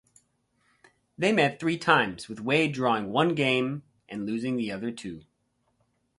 They met three times, with Wade drawing one game and losing the other two.